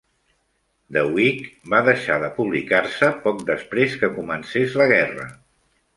"The Week" va deixar de publicar-se poc després que comencés la guerra.